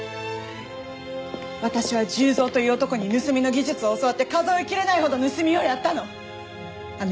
私は重蔵という男に盗みの技術を教わって数え切れないほど盗みをやったの。